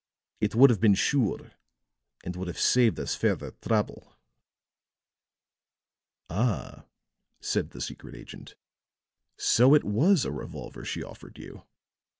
It would have been sure, and would have saved us further trouble." "Ah," said the secret agent, "so it was a revolver she offered you.